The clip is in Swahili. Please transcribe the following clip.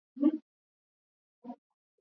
wakati walipokuwa wanazikwa na maafisa wa afya